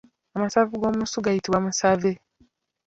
Amasavu g'omusu gayitibwa musave.